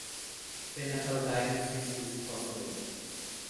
Prenatal diagnosis is possible.